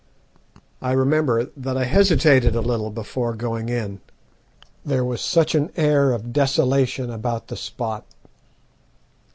I remember that I hesitated a little before going in, there was such an air of desolation about the spot.